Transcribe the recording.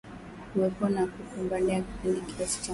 Kuwepo na kupe wengi baada ya kipindi kirefu cha mvua